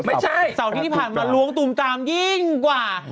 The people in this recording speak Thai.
ไม่ใช่เส้าที่ผ่านมาล้วงตูมตามยิ่งกว่า